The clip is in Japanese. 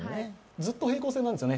ずっと平行線なんですよね